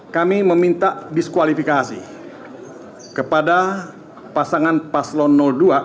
kami meminta diskualifikasi kepada pasangan paslon dua